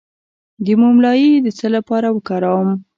د موم لایی د څه لپاره وکاروم؟